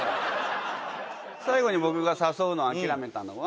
最後に僕が誘うの諦めたのは。